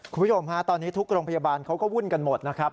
คุณผู้ชมฮะตอนนี้ทุกโรงพยาบาลเขาก็วุ่นกันหมดนะครับ